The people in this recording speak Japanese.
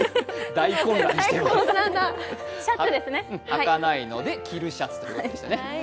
はかないので着るシャツということですね。